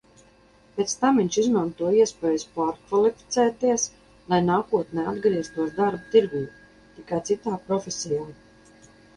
Pēc tam viņš izmanto iespējas pārkvalificēties, lai nākotnē atgrieztos darba tirgū, tikai citā profesijā.